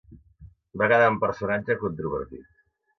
Va quedar un personatge controvertit.